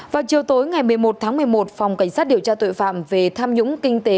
vào chiều tối ngày một mươi một tháng một mươi một phòng cảnh sát điều tra tội phạm về tham nhũng kinh tế